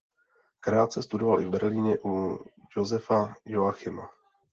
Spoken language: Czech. Krátce studoval i v Berlíně u Josepha Joachima.